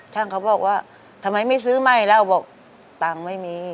เขาบอกว่าทำไมไม่ซื้อใหม่แล้วบอกตังค์ไม่มี